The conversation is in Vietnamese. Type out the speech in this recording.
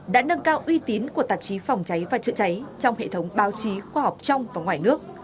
đã nâng cao uy tín của tạp chí phòng cháy và chữa cháy trong hệ thống báo chí khoa học trong và ngoài nước